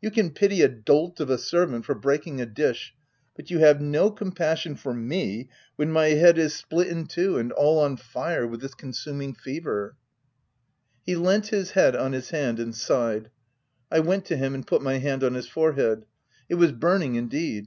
You can pity a dolt of a servant for breaking a dish ; but you have no compassion for me> when my head is split 184 THE TENANT in two and all on fire with this consuming fever/' He leant his head on his hand, and sighed. I went to him and put my hand on his fore head. It was burning indeed.